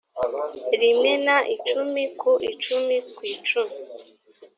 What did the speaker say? rimwe na icumi ku icumi kwicumi